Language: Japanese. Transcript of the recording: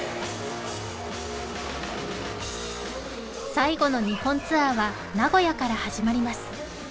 最後の日本ツアーは名古屋から始まります